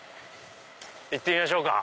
行ってみましょうか。